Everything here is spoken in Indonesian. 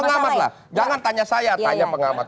pengamat lah jangan tanya saya tanya pengamat